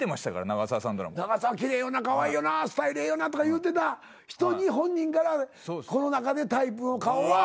「長澤きれいよなかわいいよなスタイルええよな」とか言うてた人に本人からこの中でタイプの顔は。